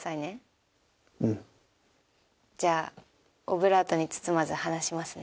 じゃあオブラートに包まず話しますね。